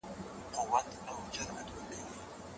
زکات د بې وزلو خلګو ثابت او معلوم حق دی.